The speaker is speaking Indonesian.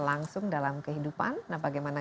langsung dalam kehidupan bagaimana